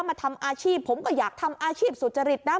มาทำอาชีพผมก็อยากทำอาชีพสุจริตนะ